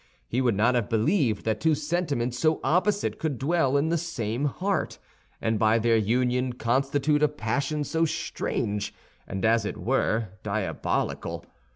He would not have believed that two sentiments so opposite could dwell in the same heart, and by their union constitute a passion so strange, and as it were, diabolical.